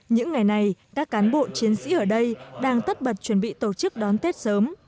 những ngày này các cán bộ chiến sĩ ở đây đang tất bật chuẩn bị tổ chức đón tết sớm